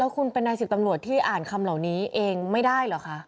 คุณเป็นนายสิบตำรวจที่อ่านคำเหล่านี้เองไม่ได้เหรอคะ